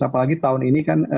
apalagi tahun ini kan